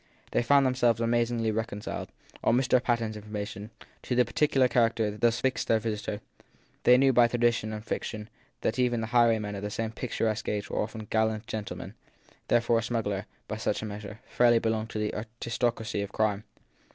They found them selves amazingly reconciled, on Mr. Patten s information, to the particular character thus fixed on their visitor ; they knew by tradition and fiction that even the highwaymen of the same picturesque age were often gallant gentlemen; therefore a smuggler, by such a measure, fairly belonged to the aristoc racy of crime.